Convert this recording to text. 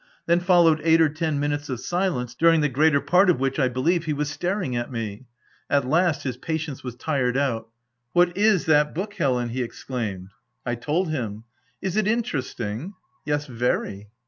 Then followed eight or ten minutes of silence, during the greater part of which, I believe, he was staring at me. At last his patience was tired out. "What is that book, Helen?" he exclaimed. I told him. " Is it interesting ?"" Yes, very."